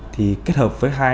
thì kết thúc tổ công tác